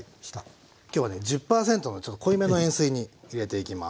今日はね１０％のちょっと濃いめの塩水に入れていきます。